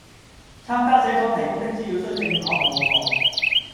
參加者所提供的資料須正確無訛